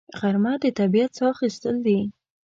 غرمه د طبیعت ساه اخیستل دي